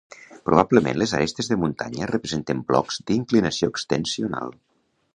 Probablement les arestes de muntanya representen blocs d'inclinació extensional.